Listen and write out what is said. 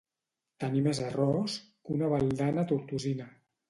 Tenir més arròs que una baldana tortosina.